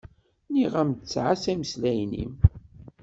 Nniɣ-am-d ttɛassa imeslayen-im.